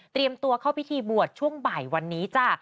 ตัวเข้าพิธีบวชช่วงบ่ายวันนี้จ้ะ